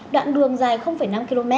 đoạn đường dài năm km